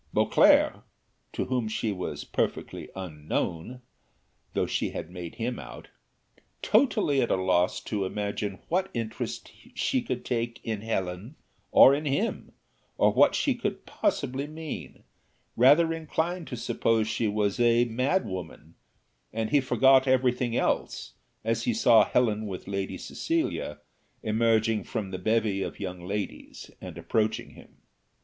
Beauclerc, to whom she was perfectly unknown, (though she had made him out,) totally at a loss to imagine what interest she could take in Helen or in him, or what she could possibly mean, rather inclined to suppose she was a mad women, and he forgot everything else as he saw Helen with Lady Cecilia emerging from the bevy of young ladies and approaching him.